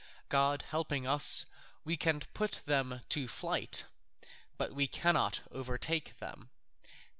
God helping us, we can put them to flight, but we cannot overtake them."